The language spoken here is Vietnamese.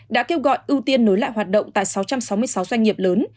đã kêu gọi ưu tiên nối lại hoạt động tại sáu trăm sáu mươi sáu doanh nghiệp lớn